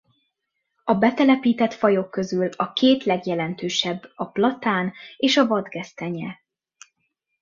A betelepített fajok közül a két legjelentősebb a platán és a vadgesztenye.